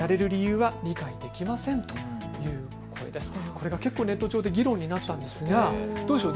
これが結構、ネット上で議論になったんですがどうでしょう。